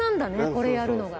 これやるのが。